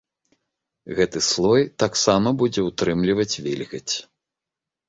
Гэты слой таксама будзе ўтрымліваць вільгаць.